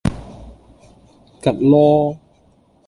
趷籮